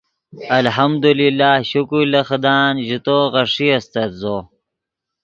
الحمد اللہ شکر لے خدان ژے تو غیݰے استت زو